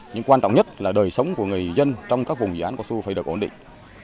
nhưng quan trọng nhất là đời sống của người dân trong các vùng dự án cao su phải được ổn định